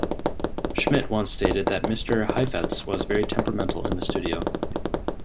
Schmitt once stated that Mr. Heifetz was very temperamental in the Studio.